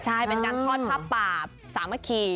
ใช่เป็นการทอดผ้าป่าสามัคคี